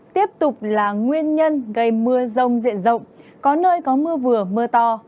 tiếp tục là nguyên nhân gây mưa rông diện rộng có nơi có mưa vừa mưa to